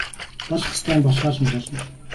Болох ёстой юм болохоо л нэг болно.